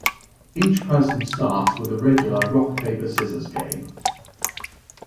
Each person starts with a regular rock-paper-scissors game.